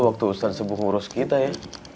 waktu ustadz subuh ngurus kita ya